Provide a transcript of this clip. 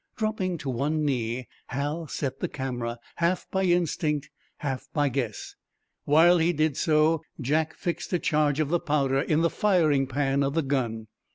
Dropping to one knee, Hal set the camera, half by instinct, half by guess. While he did so, Jack fixed a charge of the powder in the firing pan of the "gun."